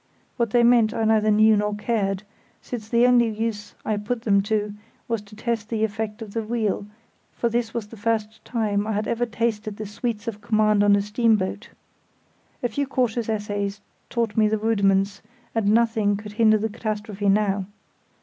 What they meant I neither knew nor cared, since the only use I put them to was to test the effect of the wheel, for this was the first time I had ever tasted the sweets of command on a steamboat. A few cautious essays taught me the rudiments, and nothing could hinder the catastrophe now.